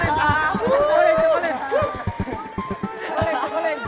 kasian banget kasian banget